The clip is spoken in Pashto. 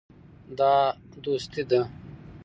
دا دوستي ده.